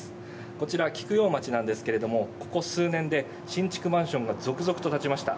こちら菊陽町なんですけれどもここ数年で新築マンションが続々と立ちました。